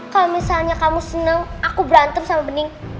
kalau misalnya kamu senang aku berantem sama bening